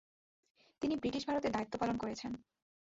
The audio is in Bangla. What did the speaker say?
তিনি ব্রিটিশ ভারতে দায়িত্বপালন করেছেন।